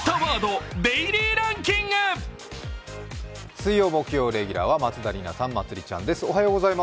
水曜・木曜レギュラーは松田里奈さん、まつりちゃんです。